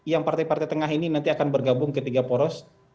yang partai partai tengah ini nanti akan bergabung ke tiga poros